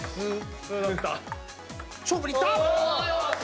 勝負にいった！